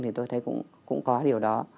thì tôi thấy cũng có điều đó